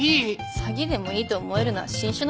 詐欺でもいいと思えるのは新種のカモですよ。